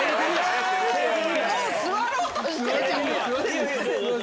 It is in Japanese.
座ろうとしてんじゃん！